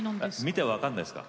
見て分かんないすか？